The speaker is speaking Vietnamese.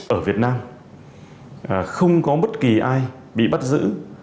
ở việt nam không có bất kỳ ai bị bắt giữ